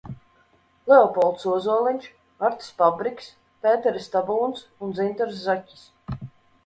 Leopolds Ozoliņš, Artis Pabriks, Pēteris Tabūns un Dzintars Zaķis.